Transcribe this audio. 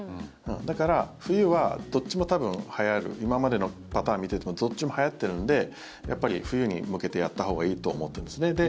だから、冬はどっちも多分はやる今までのパターンを見ていてもどっちもはやってるんで冬に向けてやったほうがいいと思ってるんですね。